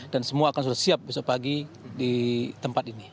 dan semua akan sudah siap besok pagi di tempat ini